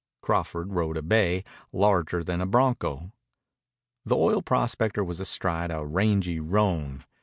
Crawford rode a bay, larger than a bronco. The oil prospector was astride a rangy roan.